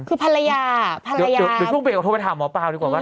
คือภรรยาภรรยาเดี๋ยวช่วงเบรกก็โทรไปถามหมอปลาดีกว่าว่า